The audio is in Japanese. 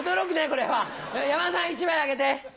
これは山田さん１枚あげて。